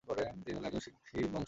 তিনি হলেন একজন সিন্ধি বংশধর।